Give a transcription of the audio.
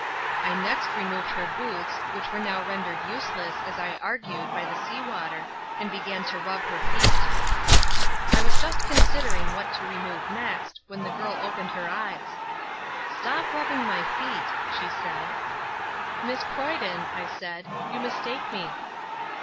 I next removed her boots, which were now rendered useless, as I argued, by the sea water, and began to rub her feet. I was just considering what to remove next, when the girl opened her eyes. "Stop rubbing my feet," she said. "Miss Croyden," I said, "you mistake me."